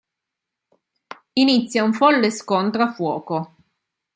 Inizia uno folle scontro a fuoco.